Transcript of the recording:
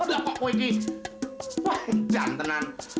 udah kok gue di jantanan